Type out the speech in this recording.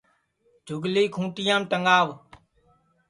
جھُگلی کھُونٚٹِیام ٹگاو